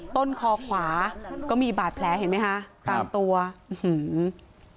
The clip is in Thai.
ต้นคอขวาก็มีบาดแผลเห็นไหมคะตามตัวอื้อหือ